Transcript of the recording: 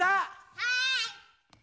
はい！